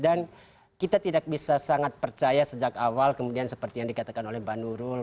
dan kita tidak bisa sangat percaya sejak awal kemudian seperti yang dikatakan oleh pak nurul